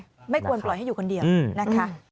ไม่ควรปล่อยให้อยู่คนเดียวนะคะ